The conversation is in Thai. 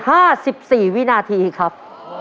ห้าสิบสี่วินาทีครับ